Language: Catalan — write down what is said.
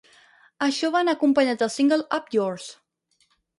Això va anar acompanyat del single Up Yours!